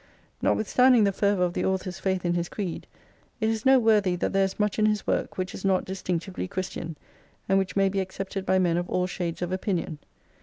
Notwithstanding the fervour of the author's faith in his creed, it is noteworthy that there is much in his work which is not distinctively Christian, and which may be accepted by men of all shades of opinion.